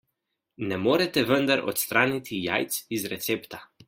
Ne morete vendar odstraniti jajc iz recepta.